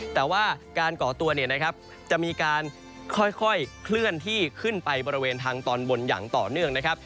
แต่ว่าการก่อตัวเนี่ยนะครับจะมีการค่อยเคลื่อนที่ขึ้นไปบริเวณทางตอนบนอย่างต่อเนื่องนะครับ